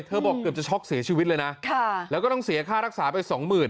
เธอบอกเกือบจะช็อกเสียชีวิตเลยนะแล้วก็ต้องเสียค่ารักษาไป๒๐๐๐๐